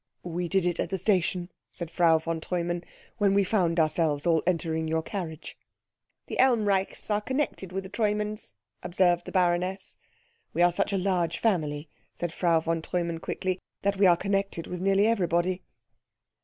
"We did it at the station," said Frau von Treumann, "when we found ourselves all entering your carriage." "The Elmreichs are connected with the Treumanns," observed the baroness. "We are such a large family," said Frau von Treumann quickly, "that we are connected with nearly everybody."